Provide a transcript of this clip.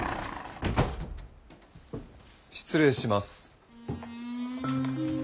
失礼します。